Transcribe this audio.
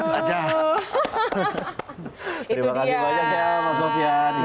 terima kasih banyak ya mas sofian